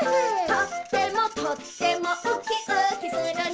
「とってもとってもウキウキするね」